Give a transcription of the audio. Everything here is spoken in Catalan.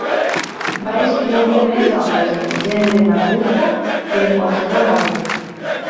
Va escriure més obres en el gènere masurca, que en qualsevol altre.